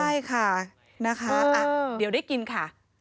ใช่ค่ะนะคะเดี๋ยวได้กินค่ะ